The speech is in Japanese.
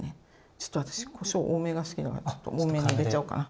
ちょっと私こしょう多めが好きなのでちょっと多めに入れちゃおうかな。